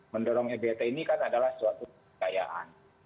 mendorong ebt ini kan adalah suatu kekayaan